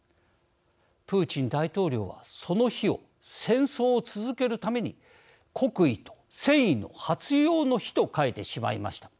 プーチン大統領はその日を戦争を続けるために国威と戦意の発揚の日と変えてしまいました。